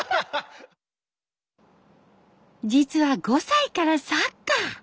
実は５歳からサッカー。